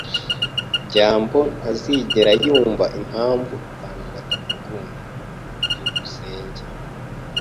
byambo ntazigera yumva impamvu abantu batamukunda. byukusenge